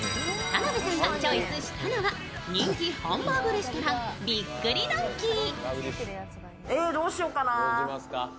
田辺さんがチョイスしたのは人気ハンバーグレストランびっくりドンキー。